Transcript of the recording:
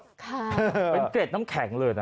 ค่ะเป็นเกร็ดน้ำแข็งเลยนะ